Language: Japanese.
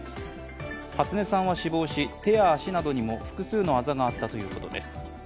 初音さんは死亡し、手や足などにも複数のあざがあったということです。